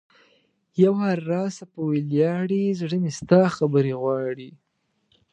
یو وار راسه په ولیاړې ـ زړه مې ستا خبرې غواړي